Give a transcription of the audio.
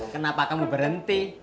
kenapa kamu berhenti